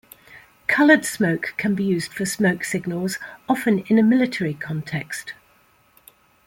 Colored smoke can be used for smoke signals, often in a military context.